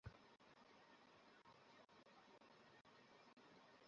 ছবির ট্রেলার দেখে মনে হলো, দুটো চরিত্রই ফুটিয়ে তুলতে হয়েছে শাহানাকে।